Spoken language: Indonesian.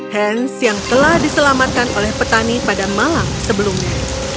hans yang telah diselamatkan oleh petani pada malam sebelumnya